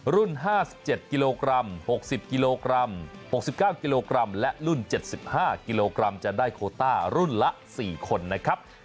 ๕๗กิโลกรัม๖๐กิโลกรัม๖๙กิโลกรัมและรุ่น๗๕กิโลกรัมจะได้โคต้ารุ่นละ๔คนนะครับ